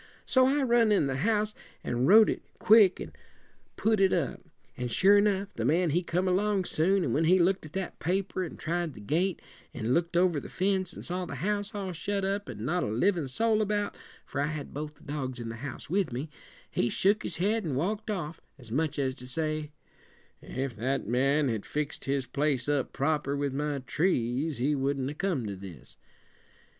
So I run in the house, and wrote it quick and put it up. And sure enough, the man he come along soon, and when he looked at that paper an' tried the gate, an' looked over the fence an' saw the house all shut up an' not a livin' soul about for I had both the dogs in the house with me he shook his head an' walked off, as much as to say, 'If that man had fixed his place up proper with my trees he wouldn't a come to this!'